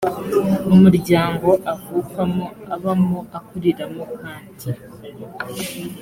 umuryango avukamo abamo akuriramo kandi